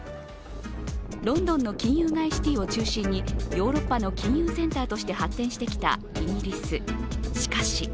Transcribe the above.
ロンドンの金融街シティーを中心にヨーロッパの金融センターとして発展してきたイギリス。